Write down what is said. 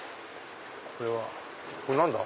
これ何だ？